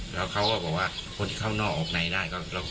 แล้วเขาก็บอกว่าคนที่เข้านอกออกในได้